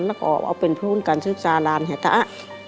แล้วก็เอาเป็นทุนการศึกษาร้านแหตา